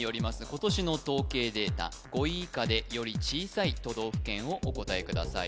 今年の統計データ５位以下でより小さい都道府県をお答えください